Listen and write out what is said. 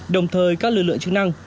đồng thời các lưu lượng chức năng